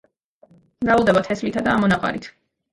მრავლდება თესლითა და ამონაყარით.